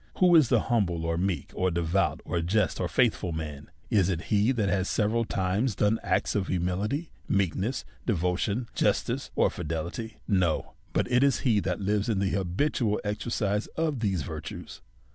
Who is the humble, or meek, or devout, or just, or faithful man ? Is it he that has se veral times done acts of humility, meekness, devotion, justice, or fidelity? No, but it is he that lives in the habitual exercise of these virtues.